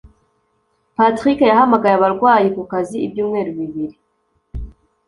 patrick yahamagaye abarwayi ku kazi ibyumweru bibiri